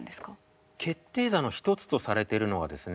決定打の一つとされてるのはですね